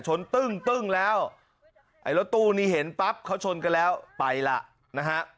ตึ้งตึ้งแล้วไอ้รถตู้นี้เห็นปั๊บเขาชนกันแล้วไปล่ะนะฮะ